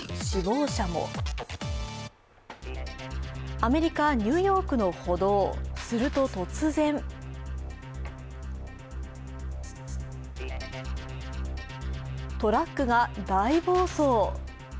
アメリカ・ニューヨークの歩道すると突然トラックが大暴走。